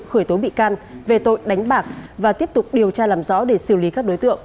khởi tố bị can về tội đánh bạc và tiếp tục điều tra làm rõ để xử lý các đối tượng